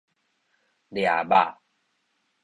掠肉